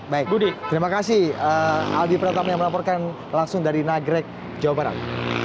baik terima kasih aldi pertama yang melaporkan langsung dari nagreg jawa barat